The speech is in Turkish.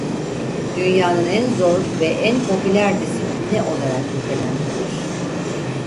Dünyanın en zor ve en popüler disiplini olarak nitelendirilir.